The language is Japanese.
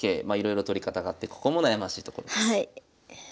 まあいろいろ取り方があってここも悩ましいところです。